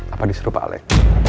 apa disuruh pak alex